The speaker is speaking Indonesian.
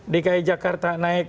dki jakarta naik